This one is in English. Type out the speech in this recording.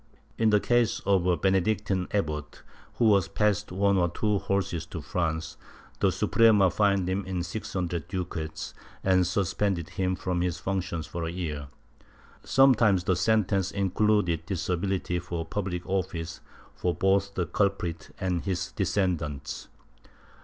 In the case of a Benedictine abbot, who had passed one or two horses to France, the Suprema fined him in six hundred ducats and suspended him from his functions for a year. Sometimes the sentence included disability for public office for both the culprit and his descendants.